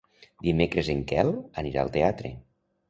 Dimecres en Quel anirà al teatre.